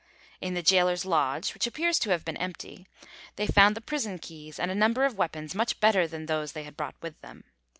In the gaoler's lodge, which appears to have been empty, they found the prison keys and a number of weapons much better than those they had brought with them.